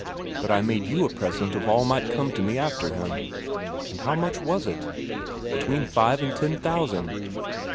But I made you a present of all that might come to me after him." "And how much was it?" "Between five and ten thousand."